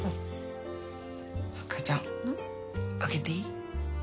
母ちゃん開けていい？